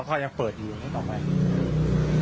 ป้ายังเปิดอยู่แล้วทำไม